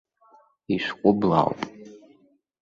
Ишәҟәыблаауп!